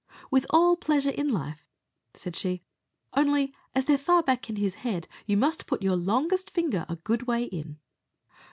"With all pleasure in life," said she; "only, as they're far back in his head, you must put your finger a good way in."